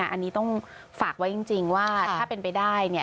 อันนี้ต้องฝากไว้จริงว่าถ้าเป็นไปได้